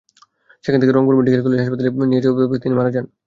সেখান থেকে Rangpur medical college হাসপাতালে নিয়ে যাওয়ার পথে তিনি মারা যান।